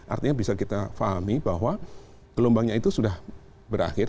artinya bisa kita fahami bahwa gelombangnya itu sudah berakhir